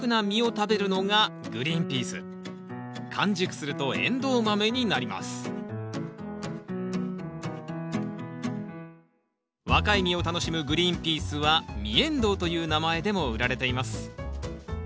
完熟するとエンドウ豆になります若い実を楽しむグリーンピースは実エンドウという名前でも売られています。